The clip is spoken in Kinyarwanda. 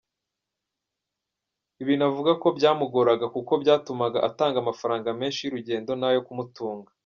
Ibintu avuga ko byamugoraga kuko byatumaga atanga amafaranga menshi y’urugendo n’ayo kumutunga.